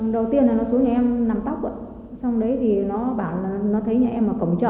đầu tiên là nó xuống nhà em nằm tóc ạ xong đấy thì nó bảo là nó thấy nhà em ở cổng chợ